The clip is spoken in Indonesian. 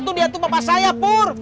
itu dia tuh bapak saya pur